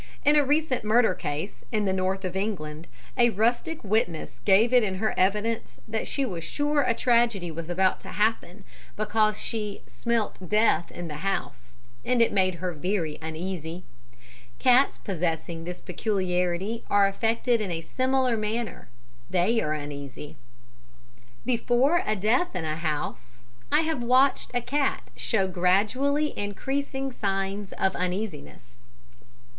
In a recent murder case, in the North of England, a rustic witness gave it in her evidence that she was sure a tragedy was about to happen because she "smelt death in the house," and it made her very uneasy. Cats possessing this peculiarity are affected in a similar manner they are uneasy. "Before a death in a house I have watched a cat show gradually increasing signs of uneasiness.